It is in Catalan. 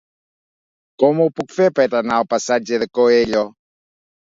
Com ho puc fer per anar al passatge de Coello?